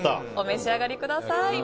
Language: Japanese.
お召し上がりください。